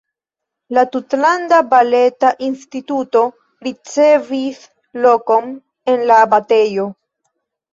La Tutlanda Baleta Instituto ricevis lokon en la abatejo.